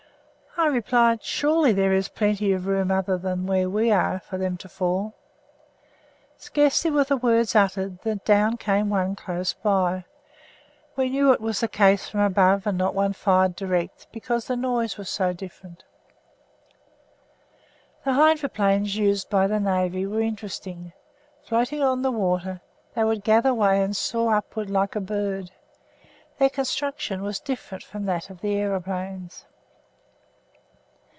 I replied "surely there is plenty of room other than where we are for them to fall." Scarcely were the words uttered than down one came close by. We knew it was a case from above and not one fired direct, because the noise was so different. The hydroplanes used by the Navy were interesting. Floating on the water, they would gather way and soar upwards like a bird. Their construction was different from that of the aeroplanes.